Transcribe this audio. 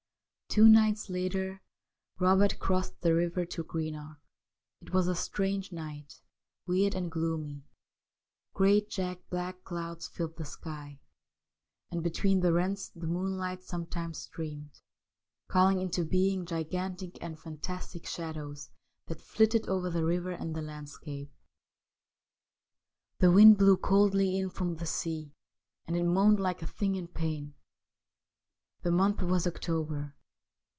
Two nights later Eobert crossed the river to Greenock. It was a strange night, weird and gloomy. Great jagged black clouds filled the sky, and between the rents the moon light sometimes streamed, calling into being gigantic and fantastic shadows that flitted over the river and the landscape. THE WHITE WITCH OF THE RIVER 21 The wind blew coldly in from the sea, and it moaned like a thing in pain. The month was October.